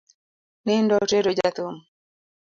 Nindo otero jathum